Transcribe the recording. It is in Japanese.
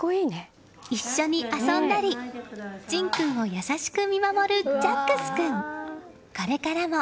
一緒に遊んだり、仁君を優しく見守るジャックス君。